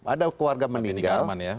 ada keluarga meninggal